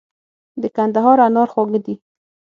د کندهار انار خواږه دي.